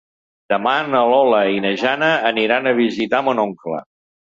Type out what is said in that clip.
Demà na Lola i na Jana aniran a visitar mon oncle.